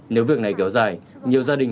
nếu việc này kéo dài